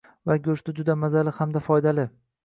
va go‘shti juda mazali hamda foydali.